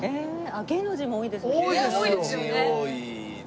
芸能人も多いですもんね。